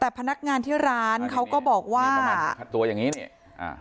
แต่พนักงานที่ร้านเขาก็บอกว่าประมาณตัวอย่างงี้นี่อ่า